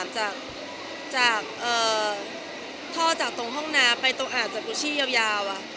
จากท่อจากตรงห้องน้ำไปตรงอ่างจากกูชี่ยาว